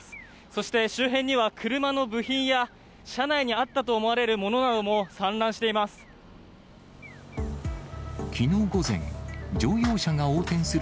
そして周辺には、車の部品や、車内にあったと思われる物なども散乱しています。